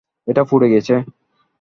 এটা পুড়ে গেছে।